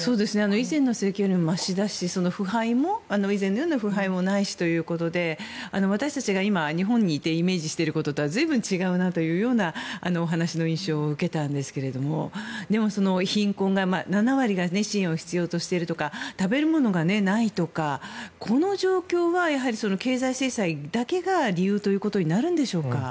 以前の政権よりもましだし以前のような腐敗もないしということで私たちが今、日本にいてイメージしていることとは随分違うなというようなお話の印象を受けたんですけどでも、７割が貧困で支援を必要としているとか食べるものがないとかこの状況は経済制裁だけが理由ということになるんでしょうか。